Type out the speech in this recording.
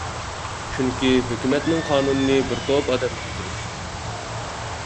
چۈنكى ھۆكۈمەتنىڭ قانۇنىنى بىر توپ ئادەم تۈزىدۇ.